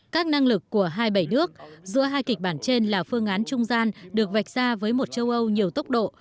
các năng lực của hai mươi bảy nước giữa hai kịch bản trên là phương án trung gian được vạch ra với một châu âu nhiều tốc độ